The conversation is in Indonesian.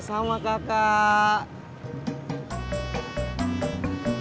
serius gak dipinggirin jam tujuh